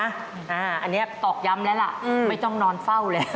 อันนี้ตอกย้ำแล้วล่ะไม่ต้องนอนเฝ้าแล้ว